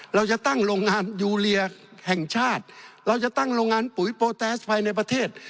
เราจะตั้งโรงงานยูเรียแห่งชาติเราจะตั้งโรงงานปุ๋ยโปรแตสภายในประเทศ